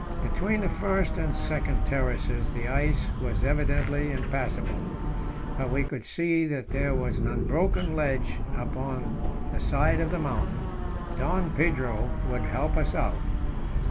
Between the first and second terraces the ice was evidently impassable. But we could see that there was an unbroken ledge up on the side of the mountain; Don Pedro would help us out.